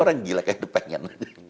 orang gila kayak the pengen